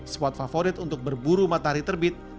spot favorit untuk berburu matahari terbit